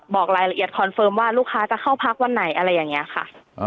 บอกรายละเอียดคอนเฟิร์มว่าลูกค้าจะเข้าพักวันไหนอะไรอย่างนี้ค่ะ